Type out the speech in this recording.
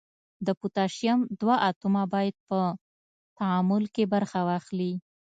د پوتاشیم دوه اتومه باید په تعامل کې برخه واخلي.